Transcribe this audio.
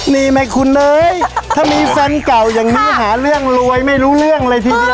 นี่ไหมคุณเอยถ้ามีแฟนเก่าแบบนี้หาร่วยไม่รู้เรื่อง